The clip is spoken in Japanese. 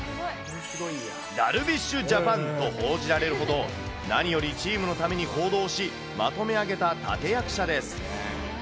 ダルビッシュジャパンと報じられるほど、何よりチームのために行動し、まとめ上げた立て役者です。